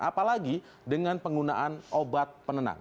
apalagi dengan penggunaan obat penenang